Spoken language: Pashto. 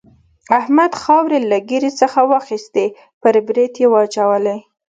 احمد خاورې له ږيرې څخه واخيستې پر برېت يې واچولې.